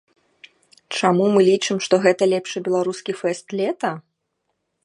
Чаму мы лічым, што гэта лепшы беларускі фэст лета?